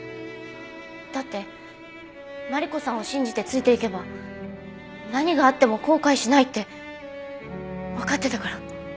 だってマリコさんを信じてついていけば何があっても後悔しないってわかってたから。